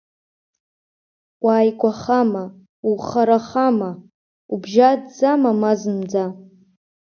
Уааигәахама, ухарахама, убжьаӡӡама ма зынӡа?!